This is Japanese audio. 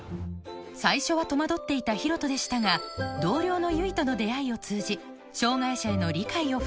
最初は戸惑っていた広翔でしたが同僚の結との出会いを通じ障がい者への理解を深めていきます